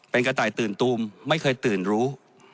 เป็นกระต่ายตื่นตูมไม่เคยตื่นรู้